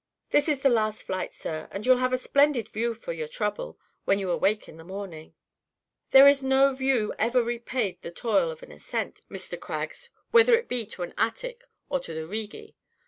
"This is the last flight, sir; and you'll have a splendid view for your trouble, when you awake in the morning." "There is no view ever repaid the toil of an ascent, Mr. Craggs, whether it be to an attic or the Righi.